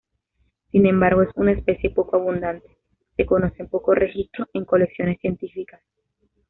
Sin embargo, es una especie poco abundante, se conocen pocos registros en colecciones científicas.